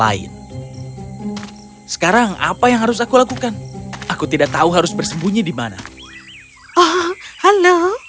lain sekarang apa yang harus aku lakukan aku tidak tahu harus bersembunyi dimana halo